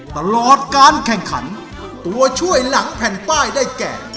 ตลอดการแข่งขันตัวช่วยหลังแผ่นป้ายได้แก่